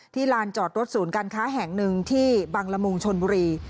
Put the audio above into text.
ลานจอดรถศูนย์การค้าแห่งหนึ่งที่บังละมุงชนบุรี